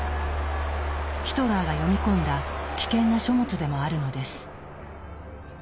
ヒトラーが読み込んだ危険な書物でもあるのです。